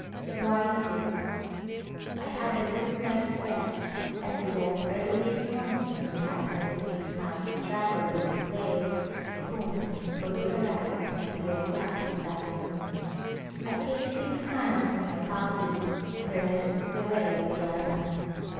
'January ^th. I had a good night's rest and we left early this morning as we had twenty six miles of travel to this place, Kund, where we arrived at three o'clock this afternoon. I came six miles in my palki and the rest of the way on the elephant.